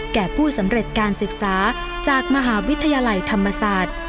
แก่ผู้สำเร็จการศึกษาจากมหาวิทยาลัยธรรมศาสตร์